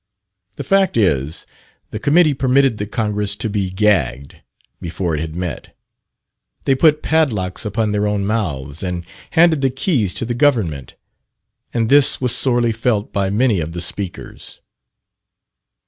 The fact is, the Committee permitted the Congress to be gagged, before it had met. They put padlocks upon their own mouths, and handed the keys to the government. And this was sorely felt by many of the speakers.